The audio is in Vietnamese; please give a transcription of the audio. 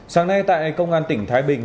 sáng nay tại công an tỉnh thái bình